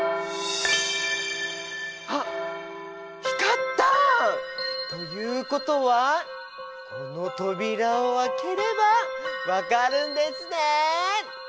あっ光った！ということはこの扉を開ければ分かるんですね。